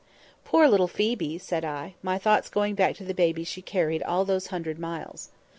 "Poor little Phoebe!" said I, my thoughts going back to the baby she carried all those hundred miles.